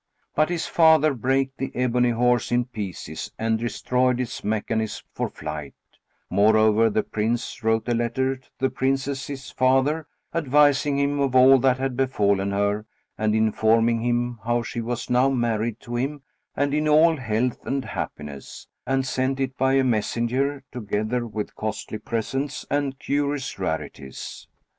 But his father brake the ebony horse in pieces and destroyed its mechanism for flight; moreover the Prince wrote a letter to the Princess's father, advising him of all that had befallen her and informing him how she was now married to him and in all health and happiness, and sent it by a messenger, together with costly presents and curious rarities.